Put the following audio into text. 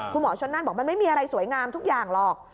คุณหมอชนนั่นบอกมันไม่มีอะไรสวยงามทุกอย่างหรอก